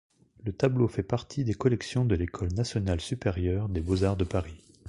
Le tableau fait partie des collections de l'école nationale supérieure des beaux-arts de Paris.